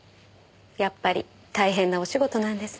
やっぱり大変なお仕事なんですね。